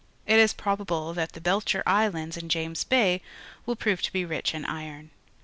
It is probable that the Belcher Islands in James Bay will prove to be rich in iron.